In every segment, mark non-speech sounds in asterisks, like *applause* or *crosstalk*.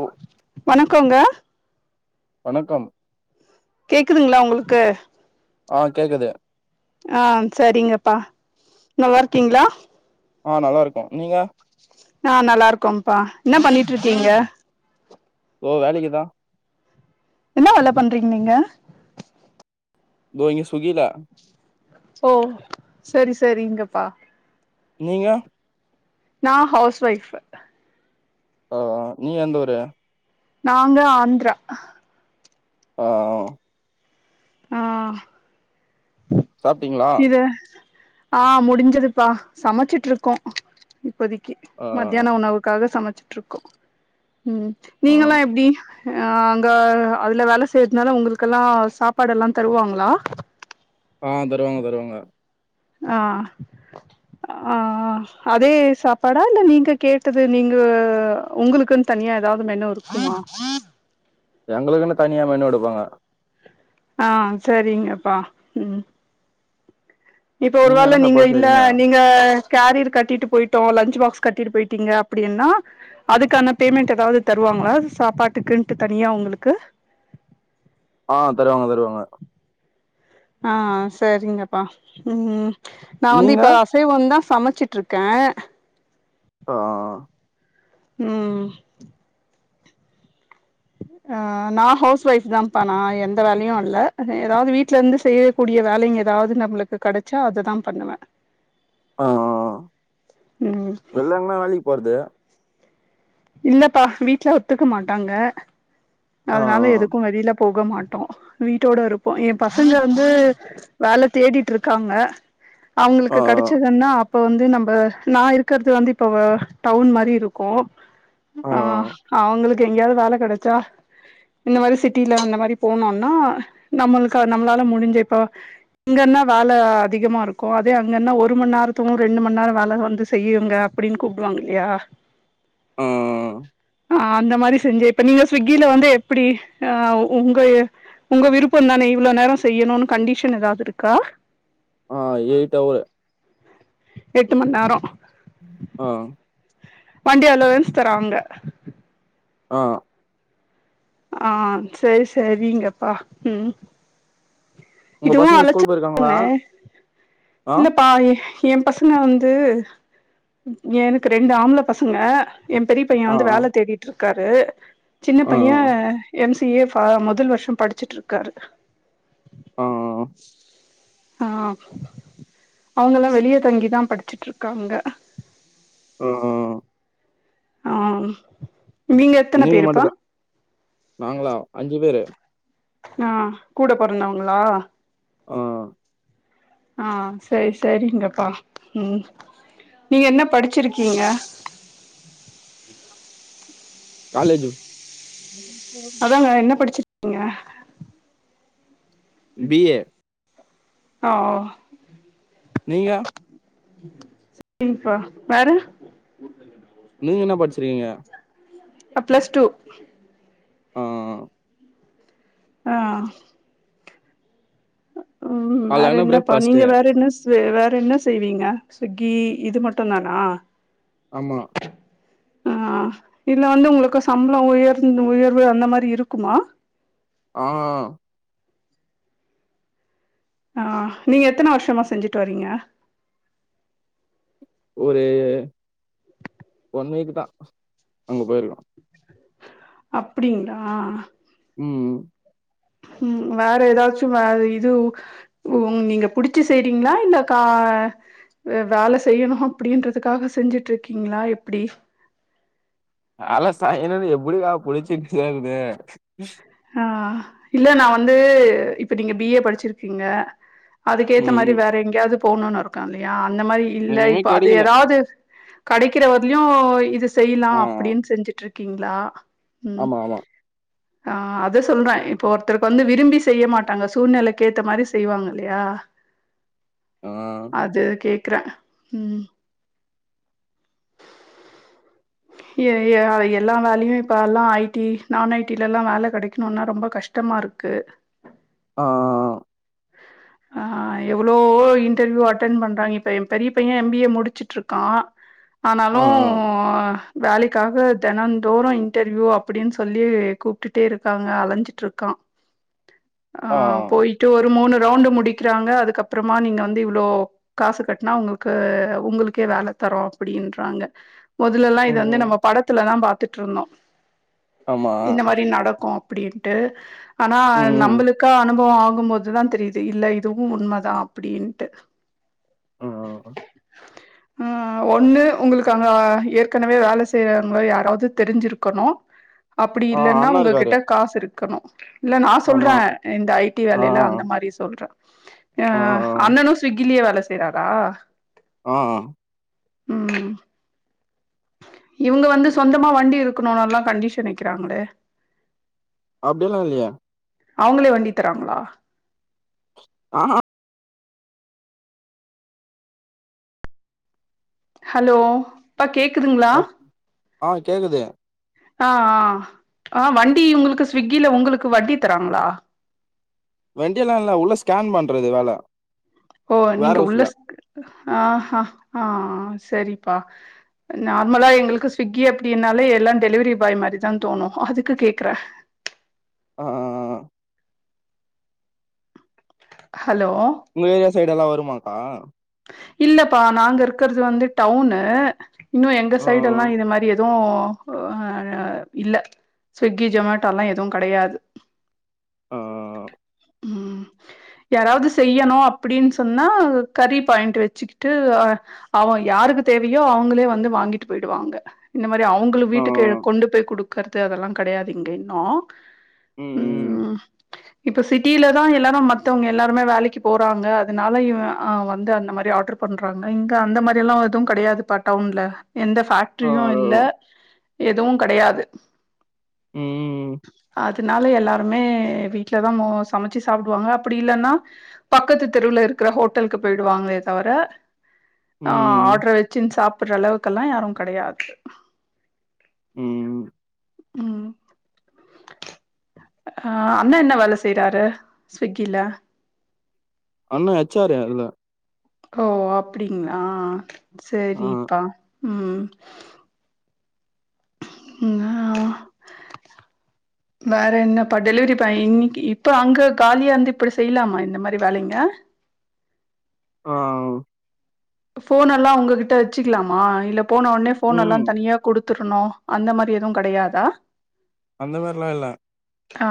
ஓ வணக்கோங்க வணக்கம் கேக்குதுங்குளா உங்களுக்கு ஆங் கேக்குது ஆஆ செரிங்கப்பா நல்லாருக்கீங்கிளா ஆ நல்லா இருக்க நீங்க ஆ நல்லா இருக்கோம்ப்பா என்ன பண்ணிட்டு இருக்கிங்க இதோ வேலைக்குதா என்ன வேல பண்றீங்க நீங்க தோ இங்க சுகிதா ஓ செரி செரி இங்கப்பா நீங்கே நா ஹவுஸ் ஒய்ப் ஓ நீ எந்த ஊரு நாங்க ஆந்ரா ஓ ஆஆ சாப்ட்டீங்களா எது ஆ முடிஞ்சதுப்பா சமச்சிட்டுருக்கோ இப்போதிக்கு ஆ மத்தியான உணவுக்காக சமைச்ச ருக்கு ம் நீங்கெல்லா எப்டி ஹ அங்க அதுல வேல செய்றதுனால உங்களுக்கெல்லா சாப்ப சாப்பாடெல்லா தருவாங்களா ஆங் தருவாங்க தருவாங்க ஆ ஆ அதே சாப்பாடா இல்ல நீங்க கேட்டது நீங்க உங்களுக்குன்னு தனியா எதாவ்து மெனு இருக்குமா எங்களுக்குன்னு தனியா மெனு எடுப்பாங்க ஆ சரிங்கப்பா ம் இப்ப ஒரு வேல என்ன நீங்க சாப்பாடு இல்ல செய்றீங்க நீங்க கேரியர் கட்டிட்டு போயிட்டோ லஞச் பாக்ஸ் கட்டிட்டு போயிட்டீங்க அப்டின்னா அதுக்கான பேமெண்டட் எதாவ்து தருவாங்களா சாப்பாட்டுக்குன்ட்டு தனியா உங்களுக்கு ஆ தருவாங்க தருவாங்க ஆஹ் சரிங்கப்பா உஹும் நா வந்து நீங்க இப்ப அசைவந்தா சமச்சிட்ருக்கே ஆஹ் உம் ஆஹ் நா ஹவுஸ் ஒய்ஃப் தாம்பா நா எந்த வேலையு இல்ல எதாவது வீட்லந்து செய்யக்கூடிய வேலையு எதாவ்து நம்மபளுக்கு கெடச்சா அதுதா பண்ணுவ ஆஹ் ம் வெல்ல‌எங்கனா வேலிக் போறுது இல்லப்பா வீட்ல ஒத்துக்க மாட்டாங்க ஆ அதனால எதுக்கு வெளிலப் போக மாட்டோ வீட்டோடருப்போ ஏ பசங்க வந்தூ வேல தேடீட்ருக்காங்க ஆ அவுங்ளுக்கு கெடசுதுன்னாப் இப்ப வந்து நம்ப நா இருக்கறது வந்து இப்ப டவுன் மாரி இருக்கு ஆ அவங்களுக் எங்கயாவது வேல கெடச்சா இந்த மாரி சிட்டியில அந்த மாரி போனோன்னா நம்முளுக்கு நம்ளால முடிஞ்சி இப்ப இங்கன்னா வேல அதிகமாருக்கு அதே அங்கன்னா ஒரு மண்நேரத்து ரெண்டு மண்நேர வேல வந்து செய்யிங்க அப்டின்னு கூப்டுவாங்க இல்லியா ஆ ஆ அந்த மாரி செஞ்சு இப்ப நீங்க ஸ்விக் கீல வந்து எப்டி ஆ உங்க உங்க விருப்பந்தானே இவ்ளோ நேரோ செய்யணுன்னு கண்டிஷன் எதாவது இருக்கா ஆ எயிட் அவர் எட்டு மண் நேரோ ஆ வண்டி அளோவன்ஸ் தராங்க ஆ ஆ சரி சரீங்கப்பா ம் உங்க இதுவு பசங்க அழைச்ச ஸ்கூல் போயிருக்காங்களா ஆ ஏ பசங்க வந்து ஏன்க்கு ரெண்டு ஆம்ள பசங்க எ பெரிய பைய ஆ வந்து வேல தேடிட்ருக் க்காரு சின்ன ஆ பையே எம் சி ஏ ஃபா முதல் வருஷோ படிச்சுட்ருக்காரு ஆ ஆ அவுங்கல்லா வெளிய தங்கிதா படிச்சுட்ருக்காங்க ஆ ஆ ஆம் நீங்க எத்தன பேருப்பா நாங்ளா அஞ்சு பேரு ஆ கூட பொறந்தவங்ளா ஆ ஆ சரி சரிங்கப்பா ம் நீங்க என்ன படிச்சிருக்கீங்க காலேஜு ம் அதாங்க என்ன படிச்சிரு கிங்க பி ஏ ஓ ஓ நீங்க சரிப்பா வேற நீங்க என்ன படிச்சிருக்கீங்க? பிளஸ் டு ஆஆ ஆ ம் வேற காலையான என்னப்பா நீங்க பிரேக்ஃபாஸ்ட்டு. வேற என்ன வேற என்ன செய்வீங்க சுஸ்விக்கி இது மட்டுந்தானா ஆமா அ இல்ல வந்து உங்களுக்கு சம்பளோ உயர்ந்து உயர்வு அந்த மாரி இருக்குமா ஆ அ ஆ நீங்க எத்தனை வருஷமா செஞ்சுட்டு வரீங்க ஒரு இன்னக்கித்தா அங்க போயிருக்கோ அப்டிங்களா உம் உம் வேற எதாச்சும் வேல இது உ நீங்க புடிச்சு செய்றீங்களா இல்ல கா வேல செய்யணும் அப்டின்றதுக்காக செஞ்சுட்டு இருக்கீங்களா எப்புடி அதல சாய்னுன்னு எப்புடியா புடிச்சுச் சேர்றது ஆ இல்ல நா வந்து இப்ப நீங்க பி ஏ படிச்சுருக்கீங்க அதுக்க ஏத்த மாரி ம். வேற எங்கயாது போனுன்னு இருக்கா இல்லையா இந்த மாரி இல்ல எதுவுமே இப்ப அது கெடைக்கல. எதாவது கெடைக்கிற வரலயு இது செய்யலா ஆ அப்டின்னு செஞ்சுட்டு இருக்கீங்களா ஆமா ஆமா ஆ அத சொல்றே இப்போ ஒருத்தருக்கு வந்து விரும்பி செய்ய மாட்டாங்க சூழ்நிலைக்க ஏத்த மாரி செய்வாங்க இல்லையா ஆ அது கேக் ருக்குறே உம் எ எ எல்லா வேலையு இப்ப எல்லா ஐ டி நான் ஐ டிலெல்லா வேல கெடைக்கணுன்னா ரொம்ப கஷ்டமா இருக்கு ஆ ஆ ஆ ஆ எவ்ளோ இன்டர்வியூ அட்டன் பண்றாங்க இப்ப ஏ பெரிய பையே எம் பி ஏ முடிச்சுட்ருக்கா ஆனாலு ஆ வேலைக்காக தெனந்தோறு இன்டர்வியூ அப்புடின்னு சொல்லி கூப்புட்டுட்டே இருக்காங்க அலஞ்சிட்ருக்கா ஆ போய்ட்டு ஒரு மூணு வுண்டு முடிக்குறாங்க அதுக்கப்பறமா நீங்க வந்து இவ்ளோ காசு கட்டனா உங்களுக்கு உங்களுக்கே வேலை தரோ அப்புடின்றாங்க முதல்லெல்லா இ வந்து ம். நம்ம படத்துலதா பாத்துட்ருந்தோ ஆமா. இந்த மாரி நடக்கும் அப்டின்ட்டு ஆனா ம். நம்பளுக்கா அனு ப்பவு ஆகும்போதுதா தெரிது இல்ல இதுவு உண்மதா அப்டின்ட்டு உம் ம் ம் ம் ஒண்ணு உங்களுக்கு அங்க ஏற் கனவே வேல செய்யுற முறை யாராவது தெரிஞ்சுருக்கணு அப்டி ஆ இல்லன்னா அண்ணா இருக்காரு. உங்ககிட்ட காசு இருக் ருக்கணு இல்ல நா சொல்ற ஆமா. இந்த ஐ டி ஆ வேலையெலா அந்த மாரி சொல்ற அ ஆ அண்ணனு சிக் கிலியே வேல செய்றாரா ஆ ம் இவுங்க வந்து சொந்தமா வண்டி இருக்கணுனல்லா கண்டிஷன் வைக்கிறாங்களே அப்டியெல்லா இல்லையே அவுங்களே வண்டி தராங்களா *unintelligible* ஹலோ ப்பா கேக்குதுங்களா அ ஆ கேக்குது ஆ ஆ ஆ வண்டி உங்களுக்கு ஸ்விகில உங்களுக்கு வண்டி தராங்களா வண்டிய எல்லா இல்ல உள்ள ஸ்கேன் பண்றது வேல ஓ வேர் நீங்க உள்ள ஹவுஸ்ல ஆ ஆ ஆ செரிப்பா நார்மலா எங்களுக்கு ஸ்விக்கி அப்டினாலே எல்லா டெலிவரி பாய் மாரி தா தோணு அதுக்கு கேக்கற ஆ ஆ ஹலோ உங்க ஏரியா சைடு எல்லா வருமாக்கா இல்லப்பா நாங்க இருக்கற்து வந்து டவுனு இன்னு எங்க ஆ சைடு எல்லா இது மாரி எது ஆ இல்ல ஸ்விக்கி ஜொமோட்டோ எல்லா எது கெடயாது ஆ ம் யாராது செய்யணு அப்டின்னு சொன்னா கறி பாயிண்ட்டு வச்சுகிட்டு அ அவ யாருக்கு தேவையோ அவங்களே வந்து வாங்கிட்டு போயிடுவாங்க இந்த மாரி அவங்கள ஆ வீட்டுக்கு கொண்டு போய் குடுக்கறது அதெல்லா கெடயாது இங்க இன்னு ம் ம் இப்ப சிட்டில தா எல்லாரு மத்தவங்க எல்லாருமே வேலைக்கு போறாங்க அதனால இவ ஆ வந்து அந்த மாரி ஆர்டர் பண்றாங்க இங்க அந்த மாரி எல்லா எது கெடயாதுப்பா டவுன்ல எந்த ஆ ஃபேக்டிரியு இல்ல எதுவு கெடயாது ம் இதுனால எல்லாருமே வீட்டல தா மோஸ் சமைச்சி சாப்டுவாங்க அப்படி இல்லனா பக்கத்து தெருவுல இருக்கிற ஹோட் ட்டலுக்கு போயிடுவாங்களே தவிர ஆ ம் ஆடரு வச்சுன்னு சாப் ப்புற அளவுக்கெல்லா யாரு கெடயாது ம் ம் அ அண்ணா என்ன வேல செய்யறாரு ஸ்விக்கில அண்ணா எச் ஆரு அதுல ஓ அப்படிங்களா ஆ சேரிப்பா ம் ம் ஆ வேற என்னப்பா டெலிவரி பாய் இன்னைக்கு இப்ப அங்க காலியா வந்து இப்படி செய்யலாமா இந்த மாரி வேலைங்க ஆ போன் எல்லாம் உங்ககிட்ட வச்சுக்கலாமா இல்ல போனோன்னே போன் ம் எல்லாம் தனியா குடுத் குத்துருணும் அந்த மாரி எதுவும் கடையாதா அந்த மாரில்லாம் இல்ல ஆ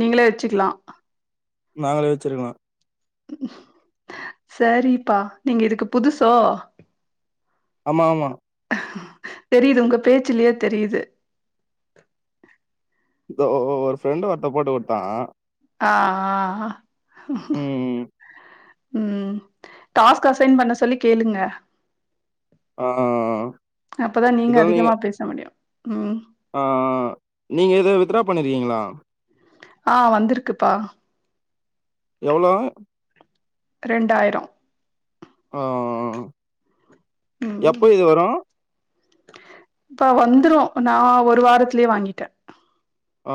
நீங்களே வச்சிக்கலாம் நாங்களே வச்சிருக்கலா சரிப்பா நீங்க இதுக்கு புதுசோ ஆமா ஆமா தெரியுது உங்க பேச்சு பேச்சிலேயே தெரியுது ஒரு ஃப்ரெண்டு ஒருத்த போட்டு குடுத்தா ஆஆ ம் ம் ம் டாஸ்க் அசைன் பண்ண சொல்லி கேளுங்க ஆ அப்பதா நீங்க அதிகமா பேச முடியும் ம் ஆஆ நீங்க ஏதும் வித் ட்ரா பண்ணிருங்களா ஆ வந்திருக்குப்பா எவ்ளோ ரெண்டாயிரம் ஆ எப்போ ம் இது வரும் இப்ப வந்துரும் நா ஒரு வாரத்திலயே வாங்கிட்ட ஆ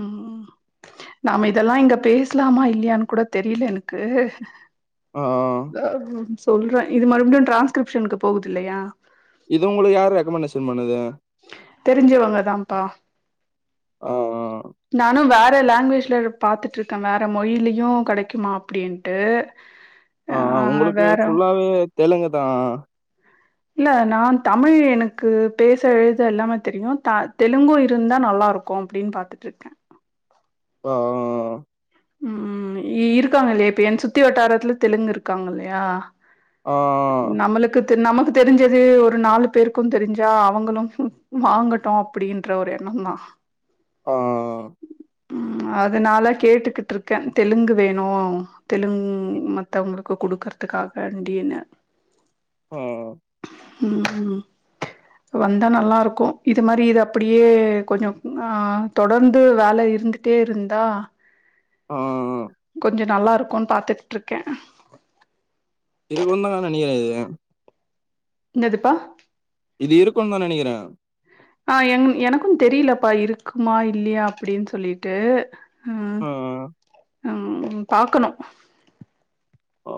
ம் நாம இதெல்லா இங்க பேசலாமா இல்லையான்னு கூட தெரியல எனக்கு ஆ *unintelligible* சொல்றே இது மறுபடியு டிரான்ஸ்கிரிப்ஷனு்கக்கு போகுது இல்லையா இது உங்களுக்கு யாரு ரெக்கமெண்டேஷன் பண்ணுது தெரிஞ்சவங்கதான்ப்பா ஆ நானும் வே வேற லாங்குவேஜ்ல பாத்துட்டு இருக்கே வேற மொழிலயும் கெடைக்குமா அப்படின்ட்டு ஆ அ உங்களுக்கு ஃபுல்லாவே தெலுங்கு தா இல்ல நா தமிழ் எனக்கு பேச எழுத எல்லாமே தெரியும் த தெலுங்கு இருந்தா நல்லா இருக்கும் அப்டின்னு பாத்துட்டு இருக்கே ஆ ம் இருக்காங்க இல்லையா இப்ப என் சுத்தி வட்டாரத்துல தெலுங்கு இருக்காங்க இல்லையா ஆ நம்ளுக்கு நமக்கு தெரிஞ்சது ஒரு நாலு பேருக்கும் தெரிஞ்சா அவங்களும் வாங்கட்டும் அப்டின்ற ஒரு எண்ணம் தா ஆ ம் அதுனாலா கேட்டுக்கிட் ருக்கே தெலுங்கு வேணும் தெலுங்கு மத்தவங்களுக்கு கடுக்கறதுக்காக அப்டினு ம் ம் ம் வந்தா நல்லா இருக்கும் இது மாரி இது அப்டியே கொஞ்சம் ஆ தொடர்ந்து வேலை இருந்துட்டே இருந்தா ஆ கொஞ்சம் நல்லாரு ருக்கும்னு பாத்துட்டுட இருக்கே இருக்கும் தாங்க நெனைக்கிறே இது என்னதுபா இது இருக்கும்னு தா நெனைக்கிறே ஆ எ எனக்கும் தெரியலப்பா இருக்குமா இல்லையா அப்டின்னு சொல்லிட்டு ம் ஆ ம் பாக்கணும் ஆ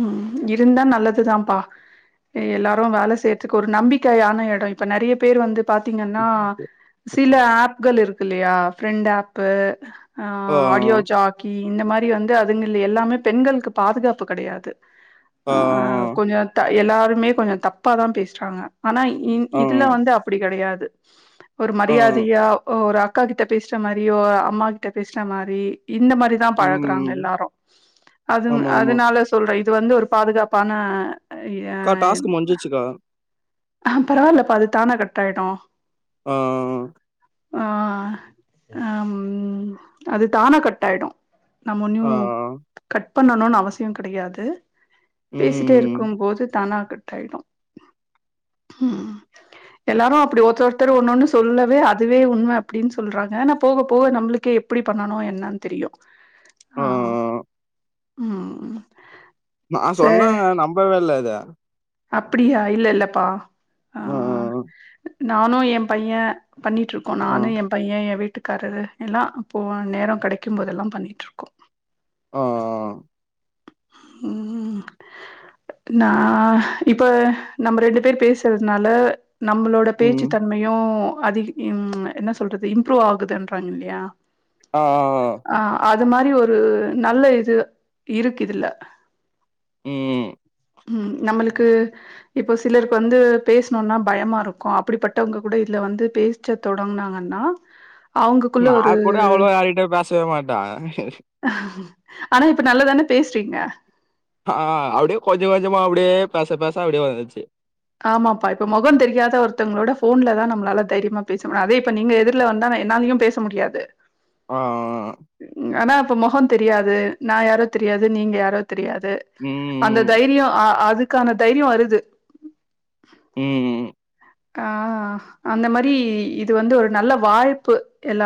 ம் இருந்தா நல்லதுதான்ப்பா எல்லாரும் வேலை செய்யறதுக்கு ஒரு நம்பிக்கையான இடம் இப்ப நெறைய பேர் வந்து பாத்தீங்கன்னா சில ஆப்கள் இருக்கு இல்லையா பிரெண்ட் ஆப் ஆ அடியோ ஜாக்கி இந்த மாரி வந்து அதுங்க எல்லாமே பெண்களுக்கு பாதுகாப்பு கடையாது ஆ எல்லாருமே கொஞ்சம் தப்பாதா பேசுறாங்க ஆனா இ இதுல வந்து அப்டி கடையாது து ஒரு ஆ மரியாதையா ஒரு அக்கா கிட்ட பேசுற மாரியோ அம்மா கிட்ட பேசுற மாரி இந்த மாரிதா பழகுறாங்க ம். எல்லாரும் அது ஆமாமா. அதனால இது வந்து ஒரு பாதுகாப்பான அக்கா டாஸ்க் முஞ்சிச்சிக்கா ஆ பரவாயில்ப்பா அது தானா கட்ட ஆயிடும் அ அ அ ஆ அம் அது தானா கட்டாய்டு நம்மொன்யு ஆ கட் பண்ணணுன்னு அவசியம் கிடையாது பேசிட்டே ம். இருக்கும்போது தானா *unintelligible* ம் எல்லாரும் அப்புடி ஒருத்தொருத்தர் ஒண்ணு ஒண்ணு சொல்லவே அதுவே உண்ம அப்புடின்னு சொல்றாங்க நா போக போக நம்ளுக்கே எப்புடி பண்ணணும் என்னான்னு தெரியும் ஆ ஆ ம் ம் நா சொன்னா நம்பவே இல்ல அத அப்புடியா இல்ல இல்லப்பா ஆ மு ம் ம் நானு ஏ பைய பண்ணிட்ருக்கோம் அ அ நானும் என் பைய என் வீட்டுக் கட்றது எல்லா அப்போ நேரம் கடைக்கும் போதெல்லாம் பண்ணிட்ருக்கோம் ஆ ஆ ஆ ம் நா இப்ப நம்ப ரெண்டு பேரு பேசுறதுனால நம்புளோட ம் பேச்சுத்தன்மையும் அதிக ம் என்ன சொல்றது இம்ப்ரூவ் ஆகுதுன்றாங்க இல்லையா அ அ ஆ அ அது மாரி ஒரு நல்ல இது இருக்கு இதுல ம் ம் ம் நம்ளு க்கு இப்போ சிலருக்கு வந்து பேஸ்ணுன்னா பயமா இருக்கு அப்டிப்பட்டவங்க கூட இத்ல வந்து பேஸ்ச தொடங்னாங்கன்னா நா கூட அவ்ளோவா யார்கிட்டயு பேசவே மாட்ட ஆனா இப்ப நல்லாதான பேஸ்றீங்க ஆ அப்டியே கொஞ்சக் கொஞ்சமா அப்டியே பேச பேச அப்டியே வந்துச்சு ஆமாப்பா இப்ப மொகொ தெரியாத ஒருத்தவங்களோட ஃபோன்லதா நம்ளால தைரியமா பேச அதே இப்ப நீங்க எதுர்ல வந்தா நா என்னாலயு பேச முடியாது ஆ ஆனா இப்பொ மொஹொ தெரியாது நா யாரோ தெரியாது நீங்க யாரோ தெரியாது அந்த ம் தைரியொ அ அது க்கான தைரியொ வருது ம் ம் ஆ அந்த மாரி இது வந்து ஒரு நல்ல வாய்ப்பு எல்லா